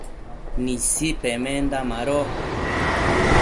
Nisi pemenda mado